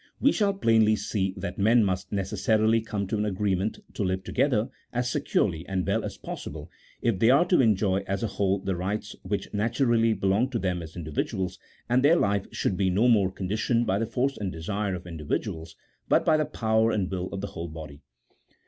we shall plainly see that men must necessarily come to an agreement to live together as securely and well as possible if they are to enjoy as a whole the rights which naturally belong to them as individuals, and their life should be no more conditioned by the force and desire CHAP. XVI.] OF THE FOUNDATIONS OF A STATE. 203 of individuals, but by the power and will of the whole body.